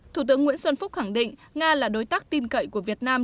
thủ tướng nguyễn xuân phúc khẳng định nga là đối tác tin cậy của việt nam